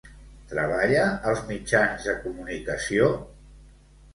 Treballa als mitjans de comunicació?